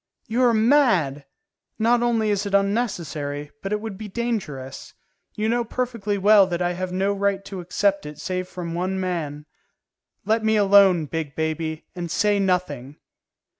"You are mad; not only is it unnecessary, but it would be dangerous. You know perfectly well that I have no right to accept it save from one man. Let me alone, big baby, and say nothing."